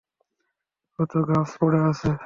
ও তো গ্লাভস পড়ে আছে।